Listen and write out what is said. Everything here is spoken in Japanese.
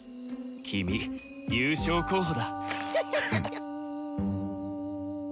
君優勝候補だ！